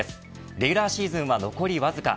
レギュラーシーズンは残りわずか。